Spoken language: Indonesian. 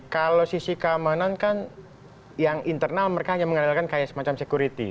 kalau sisi keamanan kan yang internal mereka hanya mengandalkan kayak semacam security